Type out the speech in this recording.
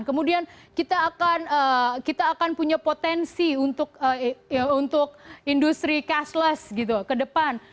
kemudian kita akan punya potensi untuk industri cashless gitu ke depan